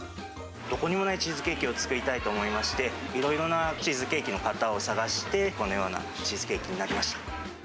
どこにもないチーズケーキを作りたいと思いまして、いろいろなチーズケーキの型を探して、このようなチーズケーキになりました。